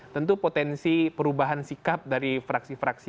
tentu potensi perubahan sikap dari fraksi fraksi